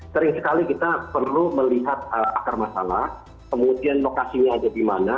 sering sekali kita perlu melihat akar masalah kemudian lokasinya ada di mana